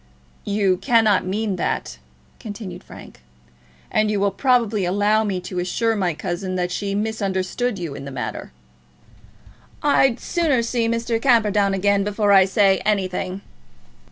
"You cannot mean that," continued Frank, "and you will probably allow me to assure my cousin that she misunderstood you in the matter." "I'd sooner see Mr. Camperdown again before I say anything."